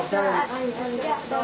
はいありがとう。